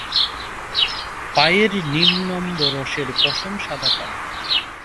পায়ের নিম্নম্বরশের পশম সাদা কালো।